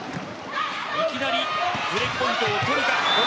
いきなりブレークポイントを取るか。